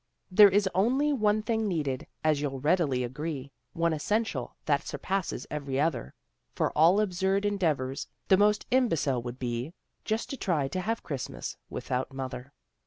There is only one thing needed, as you'll readily agree, One essential that surpasses every other, For of all absurd endeavors, the most imbecile would be, Just to try to have Christmas without mother."